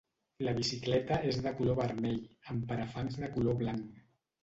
La bicicleta és de color vermell, amb parafangs de color blanc.